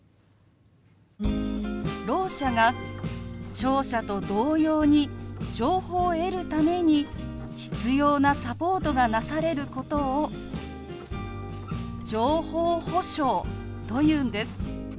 ろう者が聴者と同様に情報を得るために必要なサポートがなされることを「情報保障」というんです。